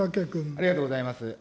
ありがとうございます。